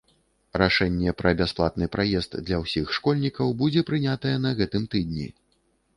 Рашэнне пра бясплатны праезд для ўсіх школьнікаў будзе прынятае на гэтым тыдні.